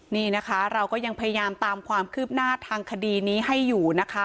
นี่นะคะเราก็ยังพยายามตามความคืบหน้าทางคดีนี้ให้อยู่นะคะ